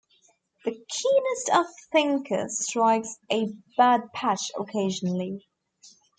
The keenest of thinkers strikes a bad patch occasionally.